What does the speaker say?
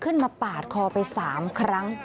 ขึ้นมาปาดคอไป๓ครั้ง